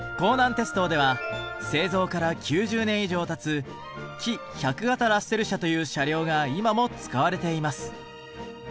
鉄道では製造から９０年以上たつ「キ１００形ラッセル車」という車両が今も使われています。